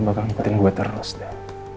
bakal ngikutin gue terus deh